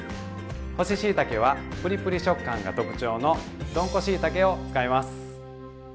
干ししいたけはプリプリ食感が特徴のどんこしいたけを使います。